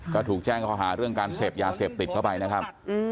ก็ถูกแจ้งเขาหาเรื่องการเสพยาเสพติดเข้าไปนะครับ